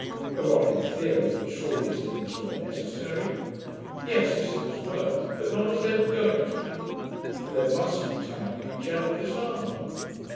A rotten theory, but surely, as things were, necessary? Yes, as things were; but not as they were going to be. For there must, in time, be General Disarmament.